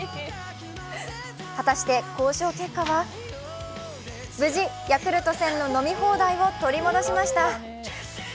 果たして交渉結果は無事ヤクルト１０００の飲み放題を取り戻しました。